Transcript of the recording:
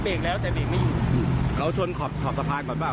ก็เบรกแล้วแต่เบรกไม่อยู่อืมเขาชนขอบฝากก่อนเปล่า